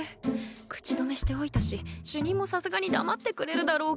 口止めしておいたし主任もさすがに黙ってくれるだろうけど